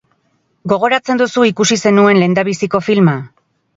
Gogoratzen duzu ikusi zenuen lehendabiziko filma?